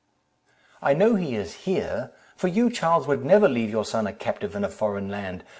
"I know he is here, for you, Charles, would never leave your son a captive in a foreign land.